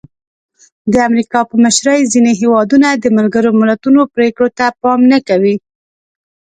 د امریکا په مشرۍ ځینې هېوادونه د ملګرو ملتونو پرېکړو ته پام نه کوي.